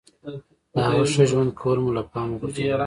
د هغه ښه ژوند کول مو له پامه غورځولي.